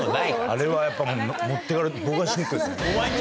あれはやっぱ持ってかれると僕はショックですね。